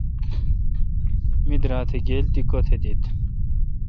می درا تھ گیل تی کوتھ دیت۔